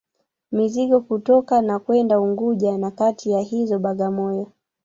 Mizigo kutoka na kwenda Unguja na kati ya hizo Bagamoyo